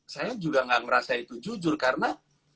saya juga nggak merasa itu jujur karena